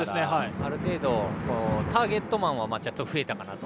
ある程度、ターゲットマンは増えたかなと。